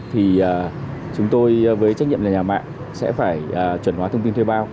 thì chúng tôi với trách nhiệm là nhà mạng sẽ phải chuẩn hóa thông tin thuê bao